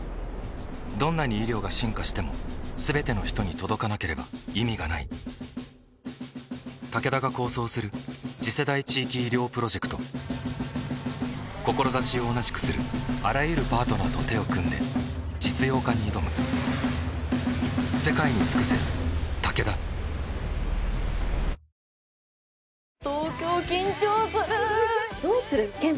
どんなに医療が進化しても全ての人に届かなければ意味がないタケダが構想する次世代地域医療プロジェクト志を同じくするあらゆるパートナーと手を組んで実用化に挑むやさしいマーン！！